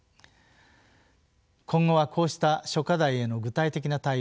今後はこうした諸課題への具体的な対応